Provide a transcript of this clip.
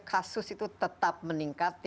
kasus itu tetap meningkat